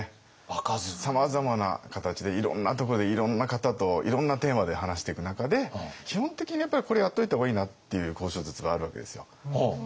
さまざまな形でいろんなところでいろんな方といろんなテーマで話していく中で基本的にやっぱりこれはやっておいた方がいいなっていう交渉術はあるわけですよ。